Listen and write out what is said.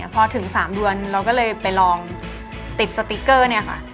พอถึง๓เดือนเราก็เลยไปลองติดสติ๊กเกอร์เนี่ยค่ะ